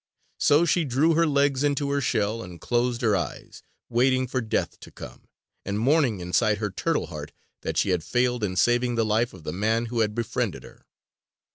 So she drew her legs into her shell and closed her eyes, waiting for death to come, and mourning inside her turtle heart that she had failed in saving the life of the man who had befriended her.